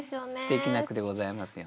すてきな句でございますよね。